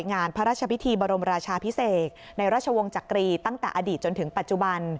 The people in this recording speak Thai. งานพระราชพิธีบรมราชาพิเศษในราชวงศ์จักรีตั้งแต่อดีตจนถึงปัจจุบัน